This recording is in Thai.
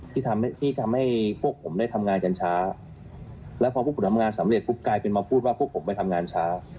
ที่ทำให้พวกผมได้ทำงานกันช้าแล้วพอพวกผมทำงานสำเร็จปุ๊บกลายเป็นมาพูดว่าพวกผมไปทำงานช้า